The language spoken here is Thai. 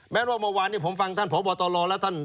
แม้ว่าเมื่อวานผมฟังท่านผมบอกตอนรอแล้วท่าน